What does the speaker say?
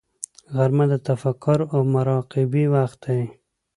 غرمه د تفکر او مراقبې وخت دی